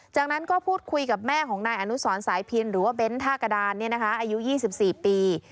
จากนั้นก็พูดคุยกับแม่ของนายอนุสรสายพินหรือว่าเบ้นท่ากระดานอายุ๒๔ปี